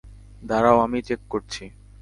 দাঁড়াও আমি চেক করছি।